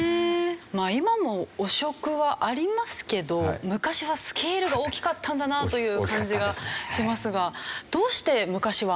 まあ今も汚職はありますけど昔はスケールが大きかったんだなという感じがしますが。